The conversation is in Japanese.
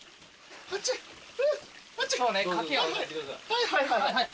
はいはいはいはいはい。